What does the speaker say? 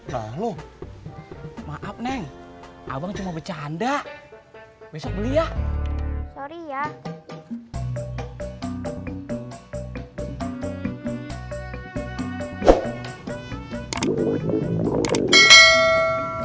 lalu maaf neng abang cuma bercanda besok beli ya sorry ya